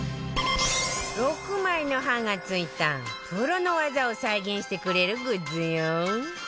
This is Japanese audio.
６枚の刃が付いたプロの技を再現してくれるグッズよ